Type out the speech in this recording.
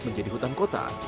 menjadi hutan kota